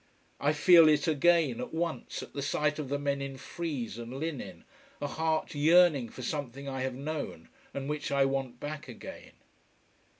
I feel it again, at once, at the sight of the men in frieze and linen, a heart yearning for something I have known, and which I want back again.